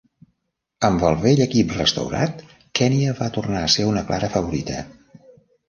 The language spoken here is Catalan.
Amb el vell equip restaurat, Kenya va tornar a ser una clara favorita.